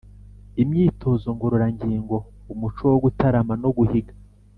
imyitozo ngororangingo, umuco wo gutarama no guhiga